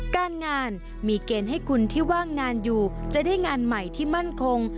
การงานมีเกณฑ์ให้คุณที่ว่างงานอยู่จะได้งานใหม่ที่มั่นคง